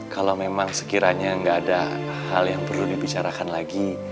kalau memang sekiranya nggak ada hal yang perlu dibicarakan lagi